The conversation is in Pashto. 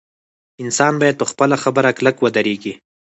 انسان باید په خپله خبره کلک ودریږي.